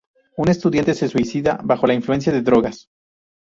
Un estudiante se suicida bajo la influencia de drogas.